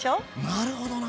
なるほどな！